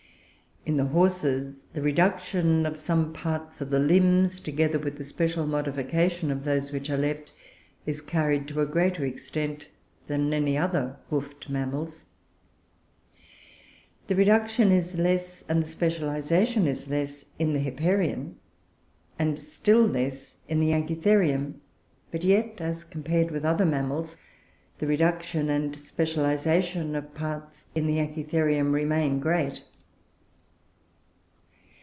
In the Horses, the reduction of some parts of the limbs, together with the special modification of those which are left, is carried to a greater extent than in any other hoofed mammals. The reduction is less and the specialisation is less in the Hipparion, and still less in the Anchitherium; but yet, as compared with other mammals, the reduction and specialisation of parts in the Anchitherium remain great.